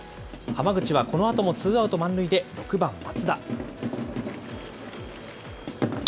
浜口はこのあともツーアウト満塁で６番松田。